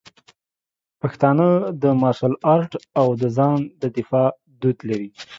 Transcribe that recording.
پښتانه د مارشل آرټ او د ځان د دفاع دود لري.